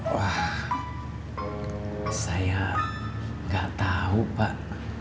wah saya nggak tahu pak